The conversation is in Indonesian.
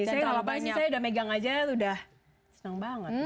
biasanya kalau banyak saya udah megang aja udah seneng banget